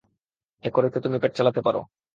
এ করেই তো পেট চালাতে পারো তুমি।